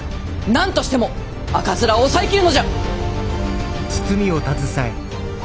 何としても赤面を抑えきるのじゃ！